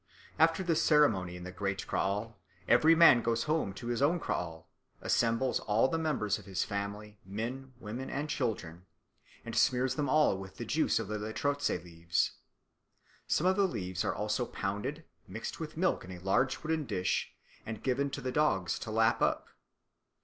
After this ceremony in the great kraal every man goes home to his own kraal, assembles all the members of his family, men, women, and children, and smears them all with the juice of the lerotse leaves. Some of the leaves are also pounded, mixed with milk in a large wooden dish, and given to the dogs to lap up.